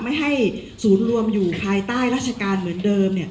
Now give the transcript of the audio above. ไม่ให้ศูนย์รวมอยู่ภายใต้ราชการเหมือนเดิม